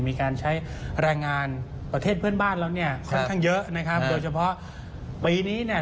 มีการใช้แรงงานประเทศเพื่อนบ้านแล้วเนี่ยค่อนข้างเยอะนะครับโดยเฉพาะปีนี้เนี่ย